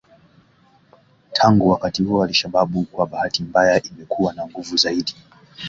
Tangu wakati huo al-Shabab kwa bahati mbaya imekuwa na nguvu zaidi